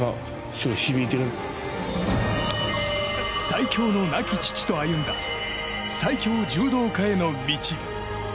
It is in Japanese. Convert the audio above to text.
最強の亡き父と歩んだ最強柔道家への道。